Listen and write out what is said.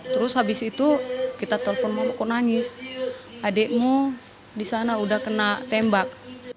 terus habis itu kita telepon mama kok nangis adikmu disana udah kena tembak